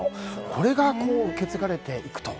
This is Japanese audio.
これが、こう受け継がれていくと。